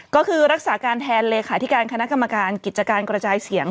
ก็คือรักษาการแทนเลขาธิการคณะกรรมการกิจการกระจายเสียง